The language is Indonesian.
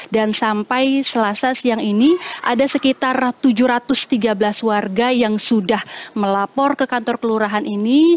dan sampai selasa siang ini ada sekitar tujuh ratus tiga belas warga yang sudah melapor ke kantor kelurahan ini